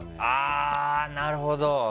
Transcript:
なるほど。